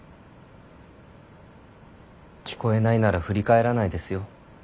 聞こえないなら振り返らないですよ。